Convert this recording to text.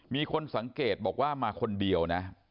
มีคนสังเกตบอกว่ามาคนเดียวนะ